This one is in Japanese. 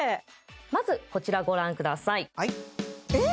まずこちらご覧くださいえっ？